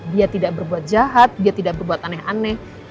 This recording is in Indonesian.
dia tidak berbuat jahat dia tidak berbuat aneh aneh